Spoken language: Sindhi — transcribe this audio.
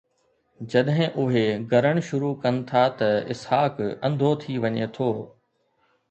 جڏهن اهي گرڻ شروع ڪن ٿا ته اسحاق انڌو ٿي وڃي ٿو.